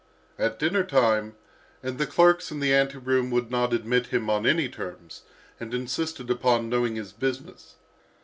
At dinner time, and the clerks in the ante room would not admit him on any terms, and insisted upon knowing his business.